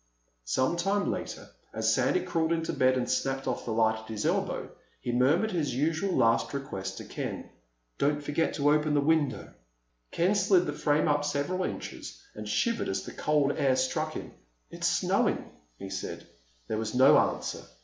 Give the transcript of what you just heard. Some time later, as Sandy crawled into bed and snapped of the light at his elbow, he murmured his usual last request to Ken. "Don't forget to open the window." Ken slid the frame up several inches and shivered as the cold air struck him. "It's snowing," he said. There was no answer.